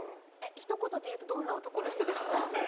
ひと言でいうとどんな男の人ですか？